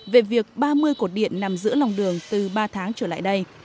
về việc ba mươi cột điện nằm giữa lòng đường từ ba tháng trở lại đây